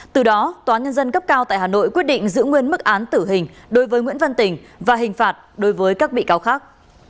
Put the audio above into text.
từ đó tòa nhân dân cấp cao tại hà nội quyết định giữ nguyên mức án tử hình đối với nguyễn văn tình và hình phạt đối với các bị cáo khác